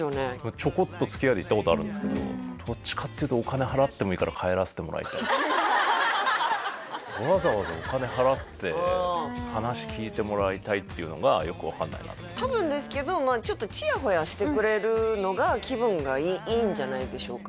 ちょこっとつきあいで行ったことあるんですけどどっちかっていうとわざわざお金払って話聞いてもらいたいっていうのがよく分かんないなと多分ですけどちょっとちやほやしてくれるのが気分がいいんじゃないでしょうか